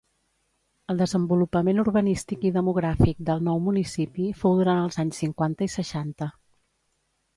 El desenvolupament urbanístic i demogràfic del nou municipi fou durant els anys cinquanta i seixanta.